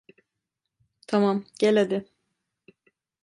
Tamam, gel hadi.